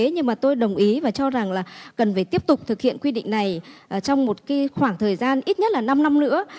nhưng mà tôi đồng ý và cho rằng là cần phải tiếp tục thực hiện quy định này trong một khoảng thời gian ít nhất là năm năm nữa